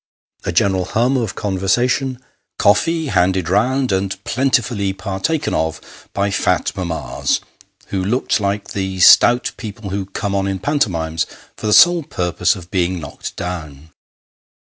A general hum of conversation. Coffee handed round, and plentifully partaken of by fat mammas, who looked like the stout people who come on in pantomimes for the sole purpose of being knocked down.